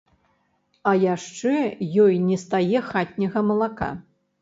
А яшчэ ёй нестае хатняга малака.